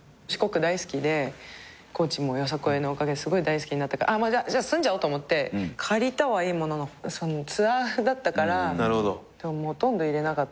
大好きで高知もよさこいのおかげですごい大好きになったからじゃあ住んじゃおうと思って借りたはいいもののツアーだったからほとんどいれなかったし。